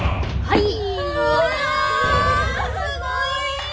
はい。